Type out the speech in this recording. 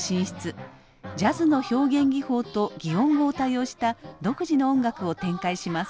ジャズの表現技法と擬音語を多用した独自の音楽を展開します。